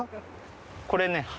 これね花。